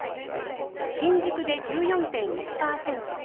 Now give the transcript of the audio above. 新宿で１４．１％